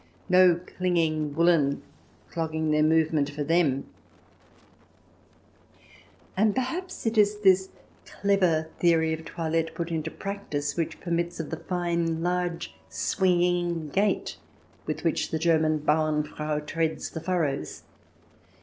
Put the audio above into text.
No clinging woollen clogging their movement for them ! And perhaps it is this clever theory of toilette put into practice which permits of the fine, large, swinging gait with"which the German Bauern Frau treads the furrows.